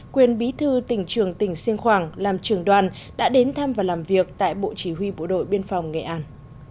quyền bí thư tỉnh trường tỉnh siêng khoảng làm trường đoàn đã đến thăm và làm việc tại bộ chỉ huy bộ đội biên phòng nghệ an